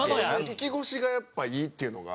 行き腰がやっぱいいっていうのが。